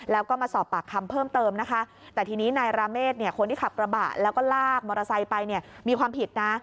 แล้วก็ลากมอเตอร์ไซค์ไปมีความผิดนะ